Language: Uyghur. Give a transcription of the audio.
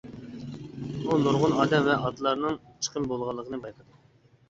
ئۇ نۇرغۇن ئادەم ۋە ئاتلارنىڭ چىقىم بولغانلىقىنى بايقىدى.